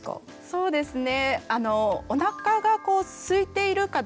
そうですね。